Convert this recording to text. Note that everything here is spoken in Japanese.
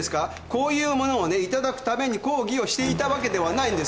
こういうものをね頂くために抗議をしていたわけではないんです。